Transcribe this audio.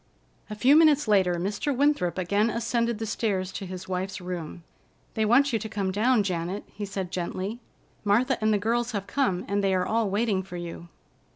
A few minutes later Mr. Winthrop again ascended the stairs to his wife's room. "They want you to come down, Janet," he said gently. "Martha and the girls have come, and they are all waiting for you."